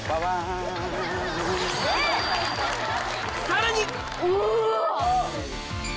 さらに！